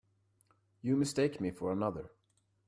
You mistake me for another.